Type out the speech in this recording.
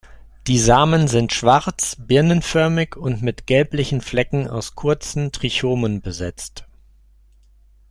Die Samen sind schwarz, birnenförmig und mit gelblichen Flecken aus kurzen Trichomen besetzt.